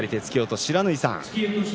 不知火さん